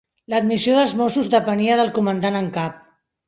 L'admissió dels mossos depenia del comandant en cap.